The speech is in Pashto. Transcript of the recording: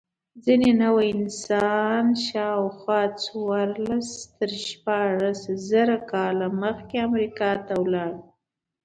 ځینې نوعې انسان شاوخوا څوارلس تر شپاړس زره کاله مخکې امریکا ته ولاړ.